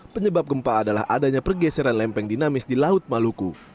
penyebab gempa adalah adanya pergeseran lempeng dinamis di laut maluku